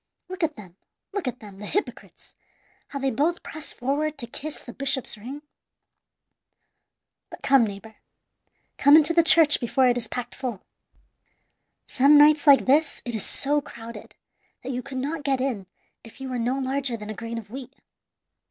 Look at them, look at them, the hypocrites, how they both press forward to kiss the bishop's ring! "But come, neighbor come into the church before it is packed full. Some nights like this it is so crowded that you could not get in if you were no larger than a grain of wheat.